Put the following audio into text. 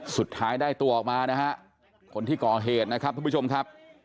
สุดท้ายได้ตัวออกมานะฮะคนที่ก่อเหตุนะครับทุกผู้ชมครับ